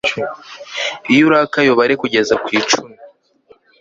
Iyo urakaye ubare kugeza ku icumi